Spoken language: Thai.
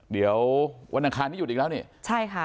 เดี๋ยววันอังคารนี้หยุดอีกแล้วนี่ใช่ค่ะ